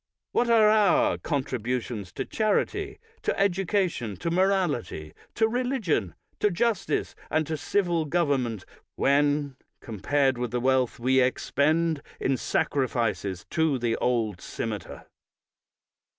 What are our contributions to charity, to education, to morality, to religion, to justice, and to civil government, when compared with the wealth we expend in sacrifices to the old cimeter?